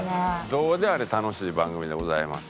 どうであれ楽しい番組でございます。